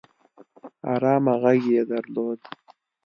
ارامه غږ يې درلود